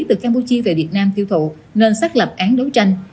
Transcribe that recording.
từ campuchia về việt nam tiêu thụ nên xác lập án đấu tranh